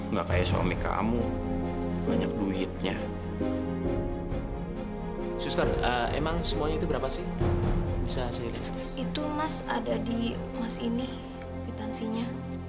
jangan lupa subscribe like dan share ya